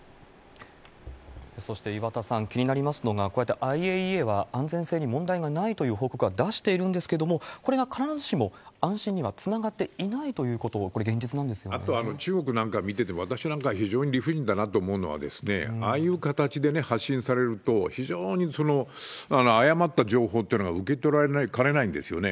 そして岩田さん、気になりますのが、こうやってＩＡＥＡは安全性に問題はないという報告は出しているんですけれども、これが必ずしも安心にはつながっていないということ、これ、現実あと、中国なんか見てても、私なんか、非常に理不尽だなと思うのは、ああいう形で発信されると、非常に誤った情報っていうのが受け取られかねないんですよね。